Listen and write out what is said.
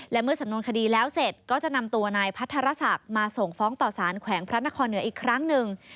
และเมื่อสำนวนคดีแล้วเสร็จก็จะนำตัวนายพัทรศักดิ์มาส่งฟ้องต่อสารแขวงพระนครเหนืออีกครั้งหนึ่ง